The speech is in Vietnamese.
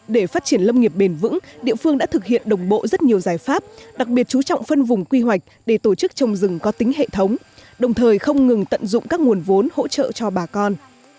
để phát triển lâm nghiệp bền vững địa phương đã thực hiện đồng bộ rất nhiều giải pháp đặc biệt chú trọng phân vùng quy hoạch để tổ chức trồng rừng có tính hệ thống đồng thời không ngừng tận dụng các nguồn vốn hỗ trợ cho bà con